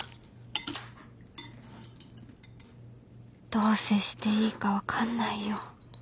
どう接していいか分かんないよ